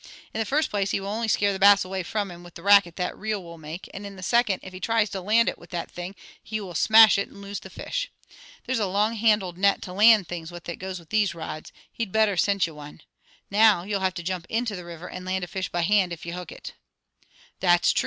In the first place he will only scare the Bass away from him with the racket that reel will make, and in the second, if he tries to land it with that thing, he will smash it, and lose the fish. There's a longhandled net to land things with that goes with those rods. He'd better sent ye one. Now you'll have to jump into the river and land a fish by hand if ye hook it." "That's true!"